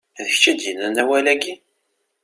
D kečč i d-yennan awal-agi?